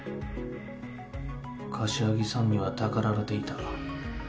柏木さんにはたかられていた。